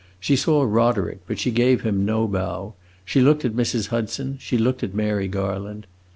She saw Roderick, but she gave him no bow; she looked at Mrs. Hudson, she looked at Mary Garland.